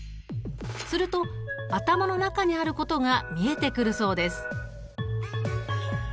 すると頭の中にあることが見えてくるそうです。